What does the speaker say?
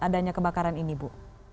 adanya kebakaran ini ibu